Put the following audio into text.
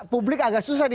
publik agak susah